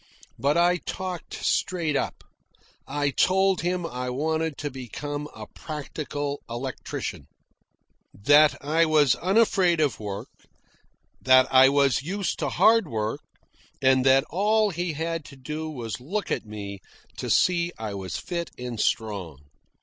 But I talked straight up. I told him I wanted to become a practical electrician, that I was unafraid of work, that I was used to hard work, and that all he had to do was look at me to see I was fit and strong.